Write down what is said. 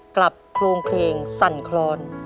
โครงเพลงสั่นคลอน